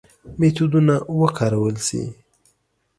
میتودونه وکارول شي.